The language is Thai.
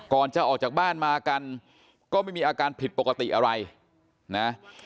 ก่อนจะออกจากบ้านมากันก็ไม่มีอาการผิดปกติอะไรนะ